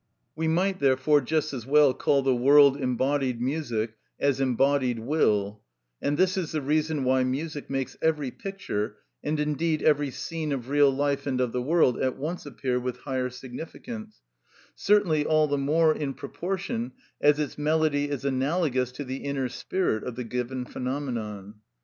We might, therefore, just as well call the world embodied music as embodied will; and this is the reason why music makes every picture, and indeed every scene of real life and of the world, at once appear with higher significance, certainly all the more in proportion as its melody is analogous to the inner spirit of the given phenomenon.